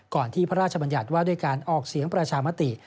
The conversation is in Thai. ที่พระราชบัญญัติว่าด้วยการออกเสียงประชามติ